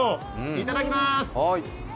いただきまーす。